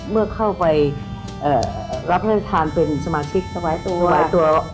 เมื่อเข้าไปรับท่านเป็นสมาชิกตะวายตัว